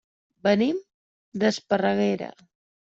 Venim d'Esparreguera.